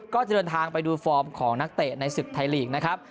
ก็จะเดินทางไปดูฟอร์มของนักเตะในศึกไทยลีกนะครับ